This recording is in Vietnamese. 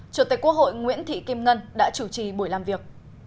chủ tịch quốc hội nguyễn thị kim ngân đã chủ trì buổi làm việc